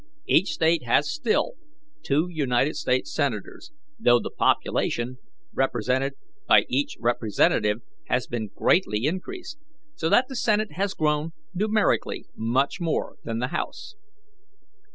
Each State has still two United States Senators, though the population represented by each representative has been greatly increased, so that the Senate has grown numerically much more than the House.